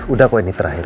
udah kok ini terakhir